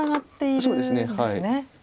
そうですね。